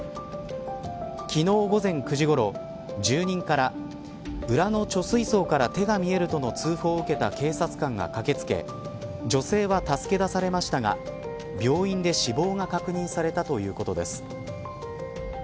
昨日午前９時ごろ住人から裏の貯水槽から手が見えるとの通報を受けた警察官が駆けつけ女性は助け出されましたが病院で死亡が確認されたということです。